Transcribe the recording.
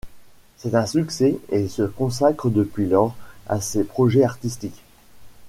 C'est un succès et il se consacre depuis lors à ses projets artistiques.